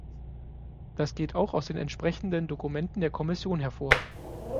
Das geht auch aus den entsprechenden Dokumenten der Kommission hervor.